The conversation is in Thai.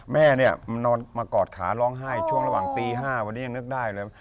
แม่เนี่ยมากอดขาร้องไห้ช่วงระหว่างตี๕วันนี้ยังนึกได้เลย